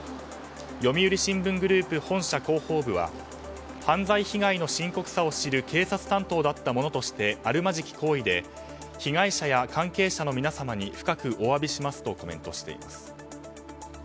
読売新聞グループ本社広報部は犯罪被害の深刻さを知る警察担当だった者としてあるまじき行為で被害者や関係者の皆さんに深くお詫びしますとコメントしています。